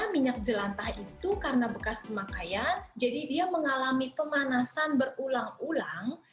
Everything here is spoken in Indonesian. minyak jelantah itu karena bekas pemakaian jadi dia mengalami pemanasan berulang ulang